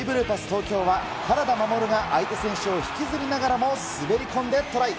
東京は、原田衛が相手選手を引きずりながらも滑り込んでトライ。